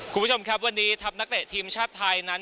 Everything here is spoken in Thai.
คุณผู้ชมครับวันนี้ทัพนักเตะทีมชาติไทยนั้น